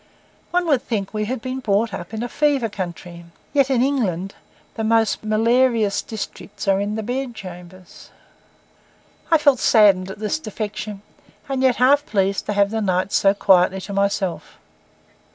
One would think we had been brought up in a fever country; yet in England the most malarious districts are in the bedchambers. I felt saddened at this defection, and yet half pleased to have the night so quietly to myself.